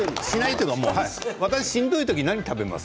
しんどい時、何食べます？